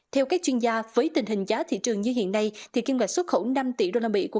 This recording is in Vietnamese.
theo các chuyên gia với tình hình giá thị trường như hiện nay thì kim ngạch xuất khẩu năm tỷ usd của